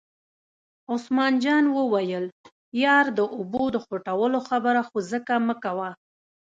عثمان جان وویل: یار د اوبو د خوټولو خبره خو ځکه مکوه.